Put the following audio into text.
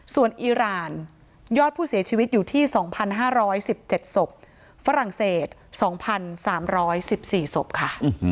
ส่วนอิราณยอดผู้เสียชีวิตอยู่ที่สองพันห้าร้อยสิบเจ็ดศพฝรั่งเศสสองพันสามร้อยสิบสี่ศพค่ะ